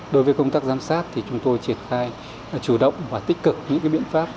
đối với công tác giám sát thì chúng tôi triển khai chủ động và tích cực những biện pháp